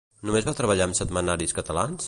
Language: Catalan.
Només va treballar amb setmanaris catalans?